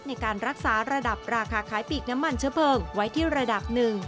ในการรักษาระดับราคาขายปีกน้ำมันเชื้อเพลิงไว้ที่ระดับหนึ่ง